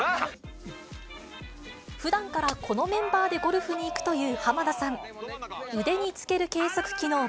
ふだんからこのメンバーでゴルフに行くという浜田さん。